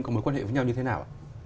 có mối quan hệ với nhau như thế nào